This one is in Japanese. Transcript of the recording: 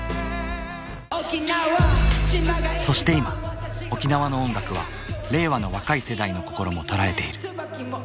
そして今沖縄の音楽は令和の若い世代の心も捉えている。